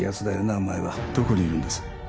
お前はどこにいるんです？